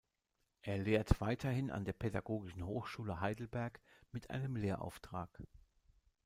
Er lehrt weiterhin an der Pädagogischen Hochschule Heidelberg mit einem Lehrauftrag.